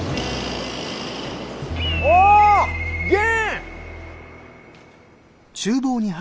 お元！